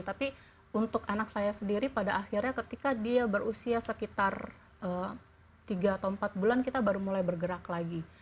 tapi untuk anak saya sendiri pada akhirnya ketika dia berusia sekitar tiga atau empat bulan kita baru mulai bergerak lagi